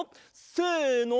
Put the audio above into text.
せの！